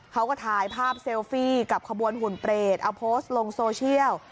เขาก็ถ่ายภาพเซลฟี่กับขบวนหุ่นเปรตเอาโพสต์ลงโซเชียล